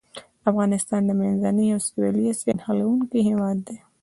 افغانستان د منځنۍ او سویلي اسیا نښلوونکی هېواد دی.